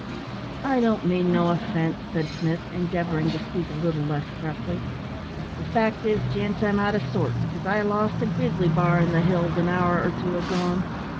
"I don't mean no offence," said Smith, endeavouring to speak a little less gruffly. "The fact is, gents, I'm out o' sorts, 'cos I lost a grizzly bar in the hills an hour or two agone.